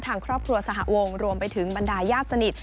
ทางครอบครัวสหวงรวมไปถึงบรรดายญาติสนิท